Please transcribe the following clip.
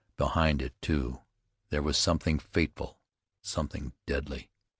Behind it, too, there was something fateful, something deadly.